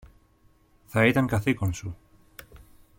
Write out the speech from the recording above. Θα ήταν καθήκον σου